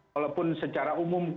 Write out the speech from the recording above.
walaupun secara umum